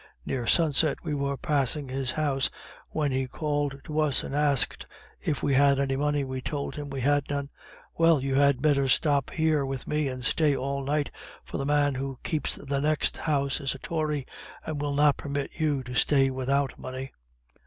Near sunset we were passing his house, when he called to us and asked if we had any money; we told him we had none: "Well, you had better stop here with me and stay all night, for the man who keeps the next house is a tory, and will not permit you to stay without money."